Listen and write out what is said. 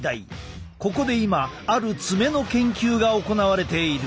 ここで今ある爪の研究が行われている。